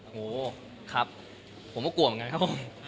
โหครับผมก็กลัวเหมือนกันครับผม